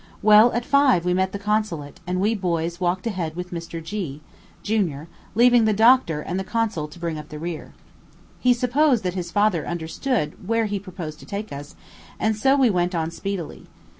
Well, at five we met at the consulate, and we boys walked ahead with Mr. G., Jr., leaving the doctor and the consul to bring up the rear. He supposed that his father understood where he proposed to take us, and so we went on speedily.